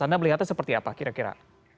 anda melihatnya seperti apa kira kira